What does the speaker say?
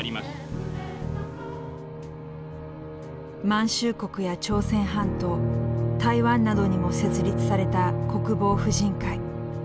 満州国や朝鮮半島台湾などにも設立された国防婦人会。